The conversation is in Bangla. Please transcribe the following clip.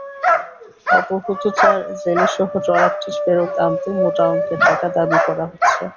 অপহূত চার জেলেসহ ট্রলারটি ফেরত আনতে মোটা অঙ্কের টাকা দাবি করা হচ্ছে।